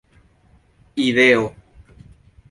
ideo